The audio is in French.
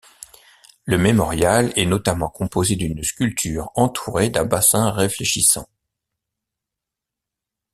Le mémorial est notamment composé d'une sculpture entourée d'un bassin réfléchissant.